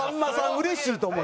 うれしいと思う。